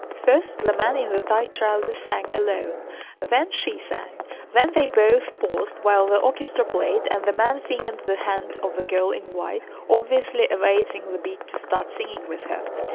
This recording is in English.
First the man in the tight trousers sang alone, then she sang, then they both paused while the orchestra played and the man fingered the hand of the girl in white, obviously awaiting the beat to start singing with her.